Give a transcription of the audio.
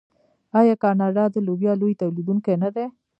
آیا کاناډا د لوبیا لوی تولیدونکی نه دی؟